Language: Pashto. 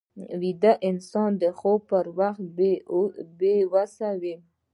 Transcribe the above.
ویده انسان د خوب پر وخت بې وسه وي